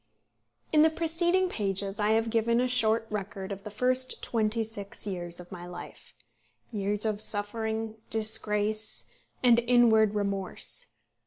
In the preceding pages I have given a short record of the first twenty six years of my life, years of suffering, disgrace, and inward remorse.